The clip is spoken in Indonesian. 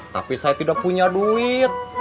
tapi saya tidak punya duit